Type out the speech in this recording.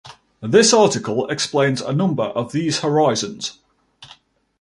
This article explains a number of these horizons.